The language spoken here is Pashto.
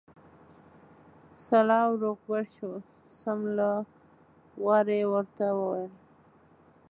سلا او روغبړ شو، سم له واره یې ورته وویل.